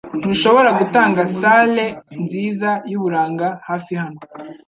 Ntushobora gutanga salle nziza yuburanga hafi hano?